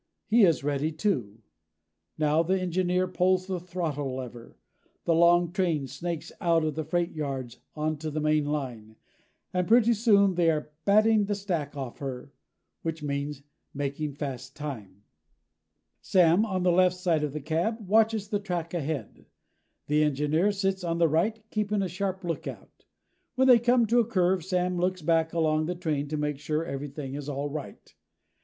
He is ready, too. Now the engineer pulls the throttle lever. The long train snakes out of the freight yards onto the main line, and pretty soon they are "batting the stack off her" which means making fast time. Sam, on the left side of the cab, watches the track ahead. The engineer sits on the right, keeping a sharp lookout. When they come to a curve, Sam looks back along the train to make sure everything is all right.